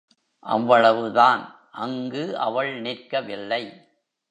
அவ்வளவுதான் அங்கு அவள் நிற்கவில்லை.